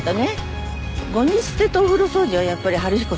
ごみ捨てとお風呂掃除はやっぱり春彦さんよね。